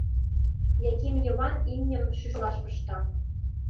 Яким Йыван имньым шӱшкылаш пышта.